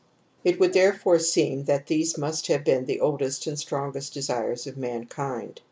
^ It would therefore seem that these must have been the oldest and strongest desires of mankind.